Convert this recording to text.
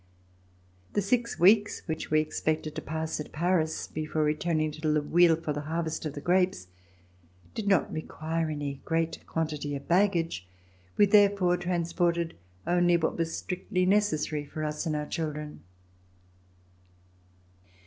The six weeks which we expected to pass at Paris before returning to Le Bouilh for the harvest of the grapes did not require any great quantity of baggage. We therefore transported only what was strictly necessary for us and our children.